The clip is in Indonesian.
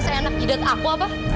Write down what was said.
se enak hidat aku apa